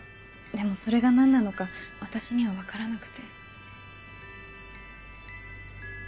でもそれが何なのか私には分からなくて。